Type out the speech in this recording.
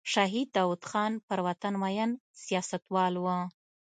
شهید داود خان پر وطن مین سیاستوال و.